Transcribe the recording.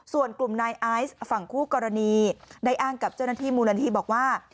ส่วนกลุ่มนายไอซ์ฝั่งคู่กรณีได้อ้างกับเจ้าหน้าที่มูลนิธิบอกว่า